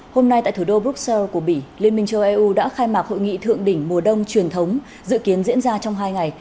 hôm nay tại thủ đô bruxelles của bỉ liên minh châu âu đã khai mạc hội nghị thượng đỉnh mùa đông truyền thống dự kiến diễn ra trong hai ngày